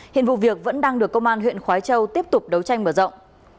hiện vụ việc vẫn đang được công an huyện khói châu tiếp tục đấu tranh mở rộng